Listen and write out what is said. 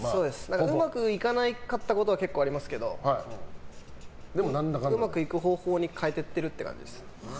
うまくいかなかったことは結構ありますけどうまく方向に変えていっているという感じです。